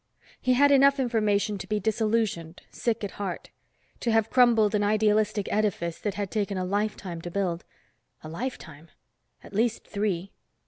He had enough information to be disillusioned, sick at heart. To have crumbled an idealistic edifice that had taken a lifetime to build. A lifetime? At least three.